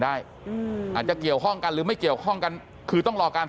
ได้อืมอาจจะเกี่ยวข้องกันหรือไม่เกี่ยวข้องกันคือต้องรอการ